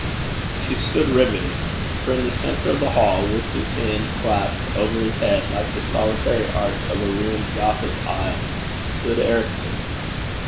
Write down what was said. She stood riveted; for in the centre of the hall, with his hands clasped over his head like the solitary arch of a ruined Gothic aisle, stood Ericson.